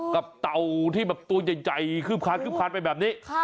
กับเตาที่ตัวใยขึบขาดไปแบบนี้